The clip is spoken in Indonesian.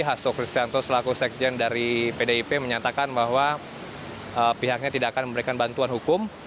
hasto kristianto selaku sekjen dari pdip menyatakan bahwa pihaknya tidak akan memberikan bantuan hukum